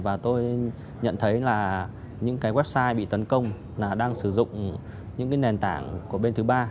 và tôi nhận thấy là những website bị tấn công đang sử dụng những nền tảng của bên thứ ba